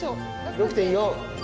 ６．４。